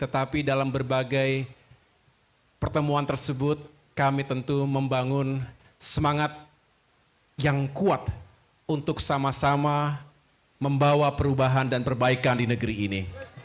tetapi dalam berbagai pertemuan tersebut kami tentu membangun semangat yang kuat untuk sama sama membawa perubahan dan perbaikan di negeri ini